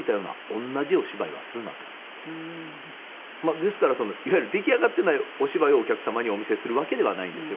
ですからいわゆる出来上がっていないお芝居をお客様にお見せするわけではないんですよ。